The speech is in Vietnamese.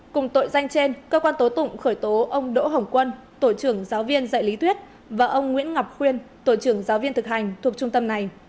cùng tội danh trên cơ quan tố tụng khởi tố ông đỗ hồng quân tổ trưởng giáo viên dạy lý thuyết và ông nguyễn ngọc khuyên tổ trưởng giáo viên thực hành thuộc trung tâm này